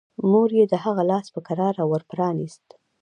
مور يې د هغه لاس په کراره ور پرانيست.